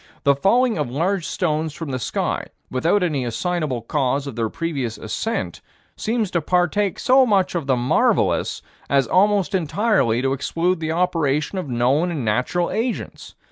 The falling of large stones from the sky, without any assignable cause of their previous ascent, seems to partake so much of the marvelous as almost entirely to exclude the operation of known and natural agents.